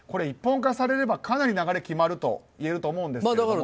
一本化されればかなり流れが決まると言えると思うんですけど。